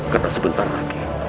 karena sebentar lagi